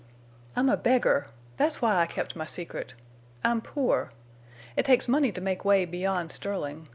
I'm a beggar. That's why I kept my secret. I'm poor. It takes money to make way beyond Sterling.